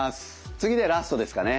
次でラストですかね。